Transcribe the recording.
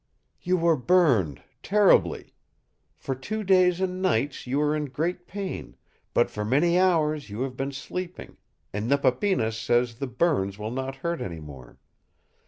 "You were burned terribly. For two days and nights you were in great pain, but for many hours you have been sleeping, and Nepapinas says the burns will not hurt any more.